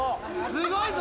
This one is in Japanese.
すごいぞ。